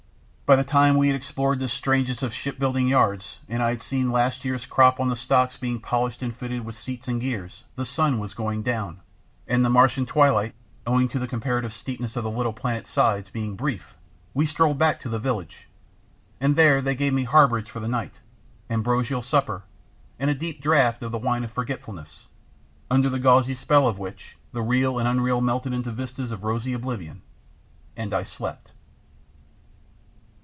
By the time we had explored this strangest of ship building yards, and I had seen last year's crop on the stocks being polished and fitted with seats and gear, the sun was going down; and the Martian twilight, owing to the comparative steepness of the little planet's sides, being brief, we strolled back to the village, and there they gave me harbourage for the night, ambrosial supper, and a deep draught of the wine of Forgetfulness, under the gauzy spell of which the real and unreal melted into the vistas of rosy oblivion, and I slept.